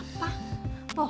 mendingan bibi mau bersama